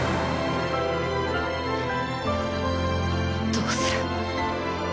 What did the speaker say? どうする。